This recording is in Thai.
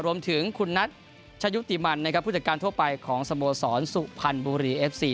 รวมถึงคุณนัทชะยุติมันนะครับผู้จัดการทั่วไปของสโมสรสุพรรณบุรีเอฟซี